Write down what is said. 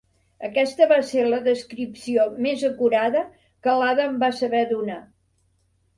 Aquesta va ser la descripció més acurada que l'Ada em va saber donar.